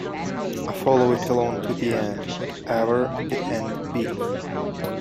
I follow it alone to the end, whatever the end be.